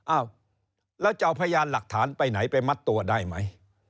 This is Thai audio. อ้าวแล้วจะเอาพยานหลักฐานไปไหนไปมัดตัวได้ไหม